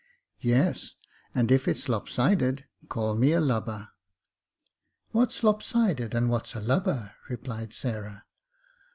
" Yes, and if it's lopsided, call me a lubber." " What's lopsided, and what's a lubber ?" replied Sai\,,h.